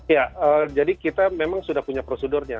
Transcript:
ya jadi kita memang sudah punya prosedurnya